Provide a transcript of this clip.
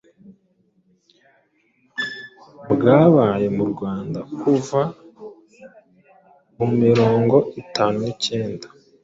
bwabaye mu Rwanda kuva mu mirongo itanu nicyenda